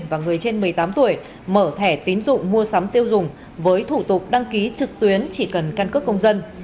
và người trên một mươi tám tuổi mở thẻ tín dụng mua sắm tiêu dùng với thủ tục đăng ký trực tuyến chỉ cần căn cước công dân